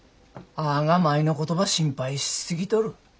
あが舞のことば心配し過ぎとる。